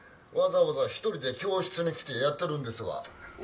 わざわざ１人で教室に来てやってるんですわ」。